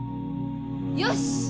よし！